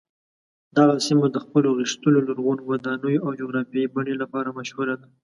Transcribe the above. دغه سیمه د خپلو غښتلو لرغونو ودانیو او جغرافیايي بڼې لپاره مشهوره ده.